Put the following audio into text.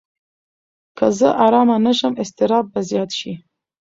که زه ارامه نه شم، اضطراب به زیات شي.